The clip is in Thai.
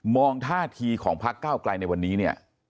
ท่าทีของพักเก้าไกลในวันนี้เนี่ย